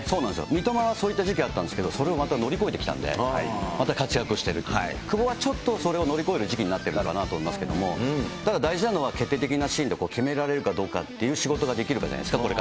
三笘はそういう時期があったんですけど、それをまた乗り越えてきたんで、また活躍してる、久保はそれを乗り越える時期だと思うんですけれども、ただ大事なのは決定的なシーンで決められるかどうかっていう、仕事ができるかどうかじゃないですか。